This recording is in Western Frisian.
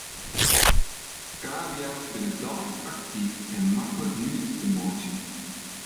Kavia's binne deis aktyf en maklik nuet te meitsjen.